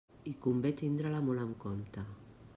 I convé tindre-la molt en compte.